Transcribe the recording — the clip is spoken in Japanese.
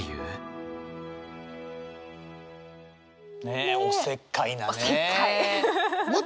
ねっおせっかいなね。